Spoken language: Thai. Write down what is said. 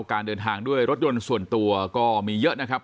การเดินทางด้วยรถยนต์ส่วนตัวก็มีเยอะนะครับ